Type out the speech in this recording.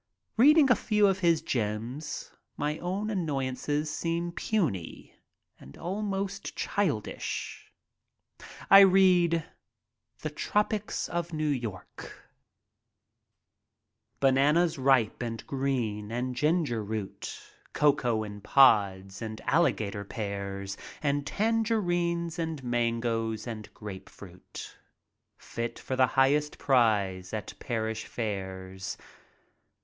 Reading a few of his gems, my own annoyances seem puny and almost childish. I read: The Tropics of New York Bananas ripe and green, and ginger root, Cocoa in pods and alligator pears, And tangerines and mangoes and grapefruit, Fit for the highest prize at parish fairs.